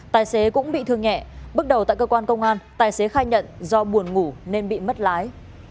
tài xế cũng bị thương nhẹ bước đầu tại cơ quan công an tài xế khai nhận do buồn ngủ nên bị mất lái